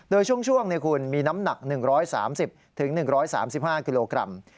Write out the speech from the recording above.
โดยช่วงคุณมีน้ำหนัก๑๓๐๑๓๕กิโลกรัม